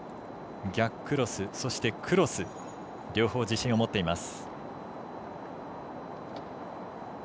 逆クロス、クロス両方自信を持っています。